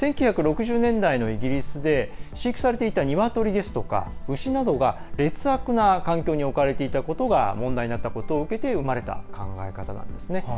１９６０年代のイギリスで飼育されていた鶏ですとか牛などが劣悪な環境に置かれていたことが問題になったことを受けて生まれた考え方なんですね。